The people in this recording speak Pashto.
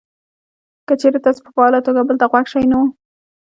که چېرې تاسې په فعاله توګه بل ته غوږ شئ نو: